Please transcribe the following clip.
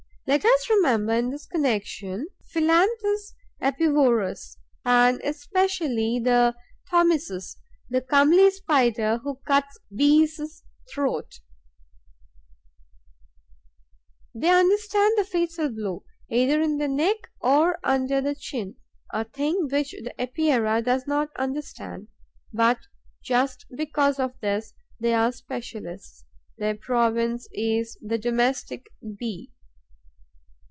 Let us remember, in this connection, Philanthus apivorus and, especially, the Thomisus, the comely Spider who cuts Bees' throats. They understand the fatal blow, either in the neck or under the chin, a thing which the Epeira does not understand; but, just because of this talent, they are specialists. Their province is the Domestic Bee.